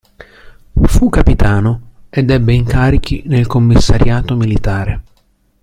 Fu capitano ed ebbe incarichi nel commissariato militare.